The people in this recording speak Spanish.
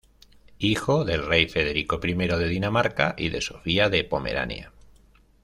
Hijo del rey Federico I de Dinamarca y de Sofía de Pomerania.